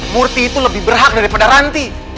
murti itu lebih berhak daripada ranti